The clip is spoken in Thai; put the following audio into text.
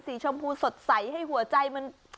ชมพูสดใสให้หัวใจมัน